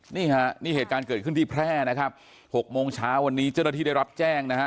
นี่ฮะนี่เหตุการณ์เกิดขึ้นที่แพร่นะครับ๖โมงเช้าวันนี้เจ้าหน้าที่ได้รับแจ้งนะฮะ